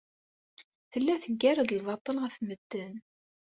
Tella teggar-d lbaṭel ɣef medden.